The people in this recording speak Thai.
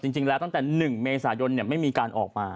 จริงแล้วตั้งแต่๑เมษายนไม่มีการออกมา